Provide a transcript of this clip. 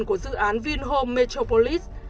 của dự án vinhome metropolis